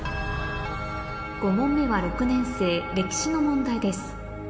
５問目は６年生歴史の問題です